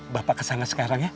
bapak kesana sekarang ya